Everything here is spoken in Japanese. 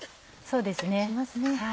そうですね。